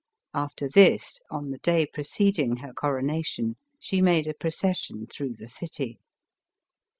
After this, on the day preceding her coronation, she made a proces sion through the city.